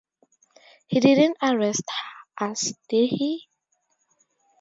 He didn't arrest us, did he?